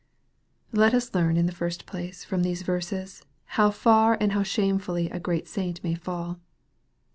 Let us learn, in the first place, from these verses, how far and how shamefully a great saint, ma.y fall.